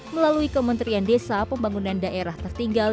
melalui kementerian desa pembangunan daerah tertinggal